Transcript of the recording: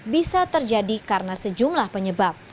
bisa terjadi karena sejumlah penyebab